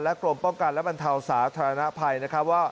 และกรมป้องกันและบรรเทาสาธารณภัยต่อ